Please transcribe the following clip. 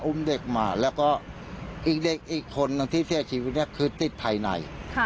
อุ้มเด็กมาแล้วก็อีกเด็กอีกคนนึงที่เสียชีวิตเนี่ยคือติดภายใน